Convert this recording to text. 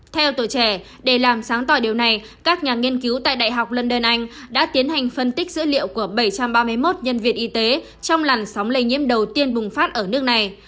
theo tuổi trẻ để làm sáng tỏ điều này các nhà nghiên cứu tại đại học london anh đã tiến hành phân tích dữ liệu của bảy trăm ba mươi một nhân viên y tế trong làn sóng lây nhiễm đầu tiên bùng phát ở nước này